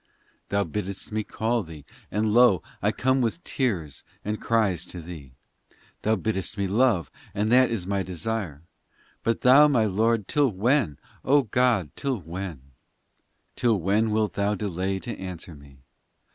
XVIII Thou bidd st me call Thee, And lo, I come with tears and cries to Thee ! Thou bidd st me love, And that is my desire ! But Thou, my Lord, till when ? O God ! till when, XIX Till when, wilt Thou delay to answer me